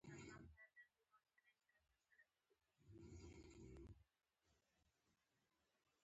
په پښتو نظم کې فوکلوري نظمونه هم شامل دي.